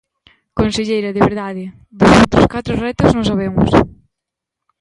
Conselleira, de verdade, dos outros catro retos non sabemos.